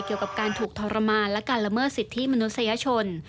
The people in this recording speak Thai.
เกี่ยวกับการถูกทรมานและการละเมิดสิทธิมนุษยชน